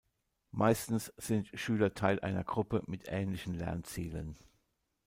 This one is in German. Meistens sind Schüler Teil einer Gruppe mit ähnlichen Lernzielen.